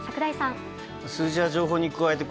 数字や情報に加えて